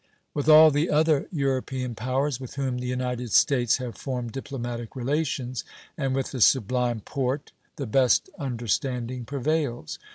With all the other European powers with whom the United States have formed diplomatic relations and with the Sublime Porte the best understanding prevails.